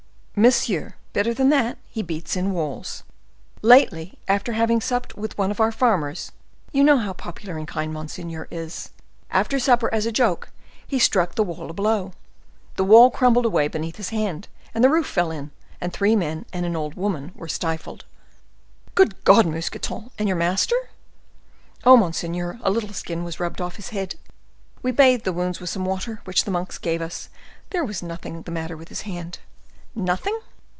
"Monsieur, better than that—he beats in walls. Lately, after having supped with one of our farmers—you know how popular and kind monseigneur is—after supper, as a joke, he struck the wall a blow. The wall crumbled away beneath his hand, the roof fell in, and three men and an old woman were stifled." "Good God, Mousqueton! And your master?" "Oh, monseigneur, a little skin was rubbed off his head. We bathed the wounds with some water which the monks gave us. But there was nothing the matter with his hand." "Nothing?"